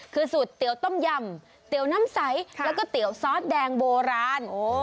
คือสูตรเตี๋ยวต้มยำเตี๋ยวน้ำใสแล้วก็เตี๋ยวซอสแดงโบราณ